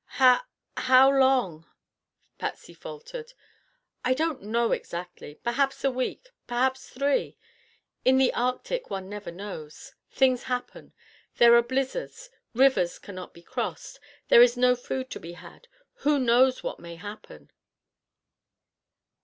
"How—how long?" Patsy faltered. "I don't know exactly. Perhaps a week, perhaps three. In the Arctic one never knows. Things happen. There are blizzards; rivers can not be crossed; there is no food to be had; who knows what may happen?"